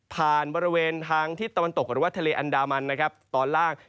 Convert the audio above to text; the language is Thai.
ผ่านบริเวณทางทิศตะวันตกหรือว่าทะเลอันดามันตอนล่าง